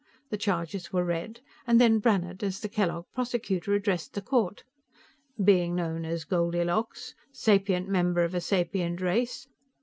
The charges were read, and then Brannhard, as the Kellogg prosecutor, addressed the court "being known as Goldilocks ... sapient member of a sapient race